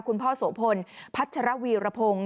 คุณพ่อโสพลพัชรวีรพงศ์